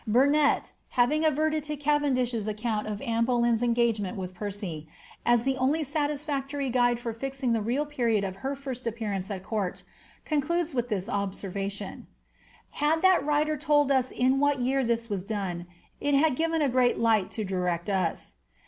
Burnet, af\er adverting to Cavendish's account of Anne Boleyn's engagement with Percy, as the only satisfactory guide for fixing the real period of her first appearance at court, concludes with this observation :^ Had that writer told us in what year this was done, it bad given a great light to direct us."